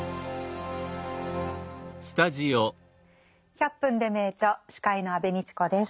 「１００分ｄｅ名著」司会の安部みちこです。